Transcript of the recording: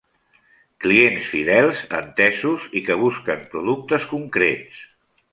Clients fidels, entesos, i que busquen productes concrets.